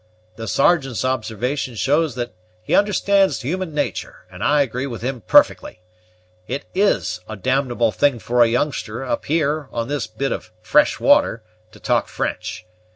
The Sergeant's observation shows that he understands human nature, and I agree with him perfectly; it is a damnable thing for a youngster, up here, on this bit of fresh water, to talk French.